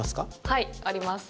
はい、あります。